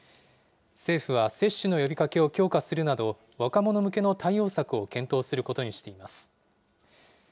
政府は接種の呼びかけを強化するなど、若者向けの対応策を検討することにしています。